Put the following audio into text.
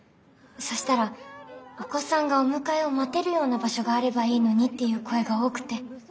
そしたらお子さんがお迎えを待てるような場所があればいいのにっていう声が多くて。